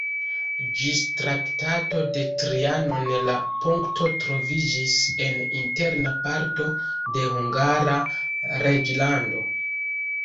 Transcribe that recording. Ĝis Traktato de Trianon la punkto troviĝis en interna parto de Hungara reĝlando.